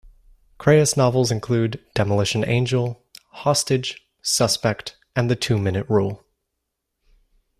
Crais novels include: "Demolition Angel," "Hostage," "Suspect", and "The Two-Minute Rule.